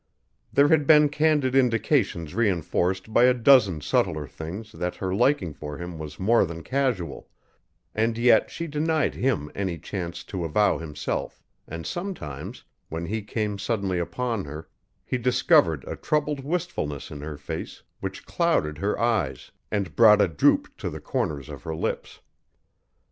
There had been candid indications reënforced by a dozen subtler things that her liking for him was more than casual, and yet she denied him any chance to avow himself, and sometimes, when he came suddenly upon her, he discovered a troubled wistfulness in her face which clouded her eyes and brought a droop to the corners of her lips.